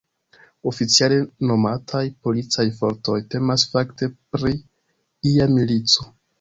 Oficiale nomataj "policaj fortoj", temas fakte pri ia milico.